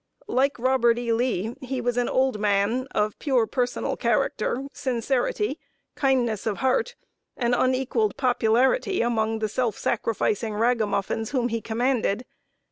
Like Robert E. Lee, he was an old man, of pure personal character, sincerity, kindness of heart, and unequaled popularity among the self sacrificing ragamuffins whom he commanded.